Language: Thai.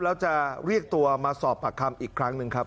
แล้วจะเรียกตัวมาสอบปากคำอีกครั้งหนึ่งครับ